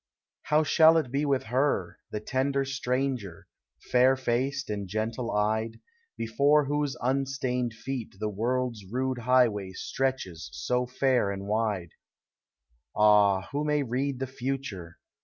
How shall it be with her, the tender stranger. Fair faced and gentle eyed, Hefore whose unstained feet the world's rude high way Stretches so fair and wide? Digitized by Google ABOUT CHILDREN. 21 Ah! who may read the future?